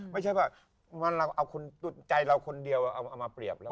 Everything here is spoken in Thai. ไม่ใช่แบบมันเอาใจเราคนเดียวเอามาเปรียบ